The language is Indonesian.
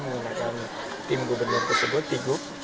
menggunakan tim gubernur tersebut pigup